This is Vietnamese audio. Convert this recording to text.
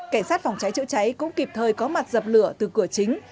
cảnh sát phòng cháy chữa cháy cũng kịp thời có mặt dập lửa từ cửa chính